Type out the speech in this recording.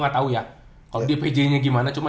gak tau ya kalau dpj nya gimana cuma